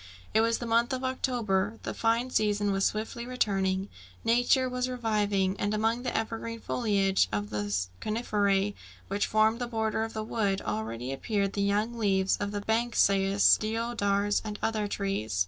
It was the month of October. The fine season was swiftly returning. Nature was reviving; and among the evergreen foliage of the coniferæ which formed the border of the wood, already appeared the young leaves of the banksias, deodars, and other trees.